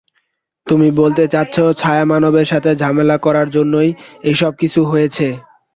তুমি বলতে চাচ্ছ ছায়ামানবের সাথে ঝামেলা করার জন্যই এসবকিছু হয়েছে?